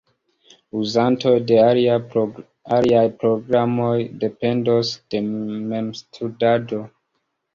Uzantoj de aliaj programoj dependos de memstudado.